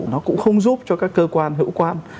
nó cũng không giúp cho các cơ quan hữu quan